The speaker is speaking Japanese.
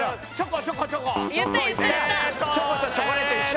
チョコとチョコレート一緒。